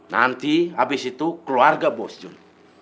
nanti abis itu keluarga bos jun